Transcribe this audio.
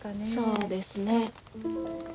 そうですね。